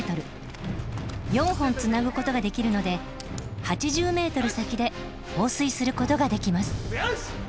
４本つなぐことができるので８０ｍ先で放水することができます。